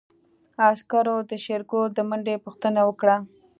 عسکرو د شېرګل د منډې پوښتنه وکړه.